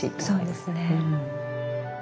そうですね。